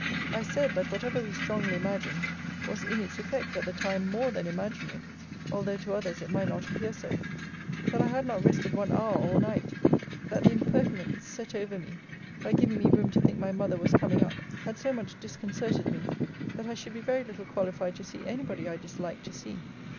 I said, that whatever we strongly imagined, was in its effect at the time more than imaginary, although to others it might not appear so: that I had not rested one hour all night: that the impertinent set over me, by giving me room to think my mother was coming up, had so much disconcerted me, that I should be very little qualified to see any body I disliked to see.